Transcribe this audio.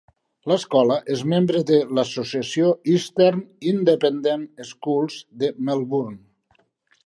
L'escola és membre de l'associació Eastern Independent Schools de Melbourne.